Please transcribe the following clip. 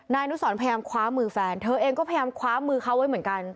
นายอนุสรพยายามคว้ามือแฟนเธอเองก็พยายามคว้ามือเขาไว้เหมือนกัน